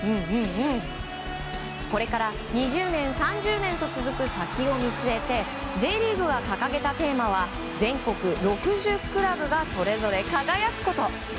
これから２０年、３０年と続く先を見据えてＪリーグが掲げたテーマは全国６０クラブがそれぞれ輝くこと。